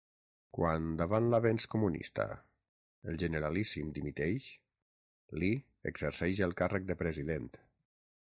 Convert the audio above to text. Quan, davant l'avenç comunista, el Generalíssim dimiteix, Li exerceix el càrrec de president.